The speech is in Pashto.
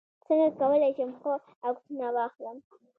څنګه کولی شم ښه عکسونه واخلم